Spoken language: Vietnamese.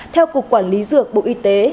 theo cục quản lý dược bộ y tế